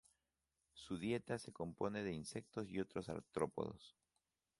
Su dieta se compone de insectos y otros artrópodos.